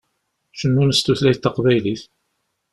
Cennun s tutlayt taqbaylit.